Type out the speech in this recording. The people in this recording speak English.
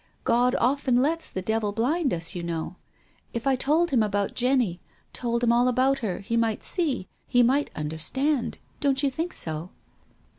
God often lets the devil blind us, you know. If I told him about Jenny, told him all about her, he might see — he might understand. Don't you think so